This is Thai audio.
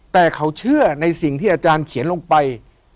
แต่เขาเชื่อในสิ่งที่อาจารย์เขียนลงไป